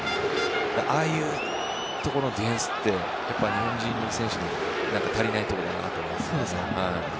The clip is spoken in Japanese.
ああいうところのディフェンスはやっぱり日本人選手に足りないところだなと思います。